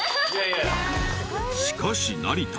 ［しかし成田］